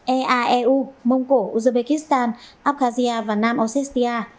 eaeu mông cổ uzbekistan abkhazia và nam ossetia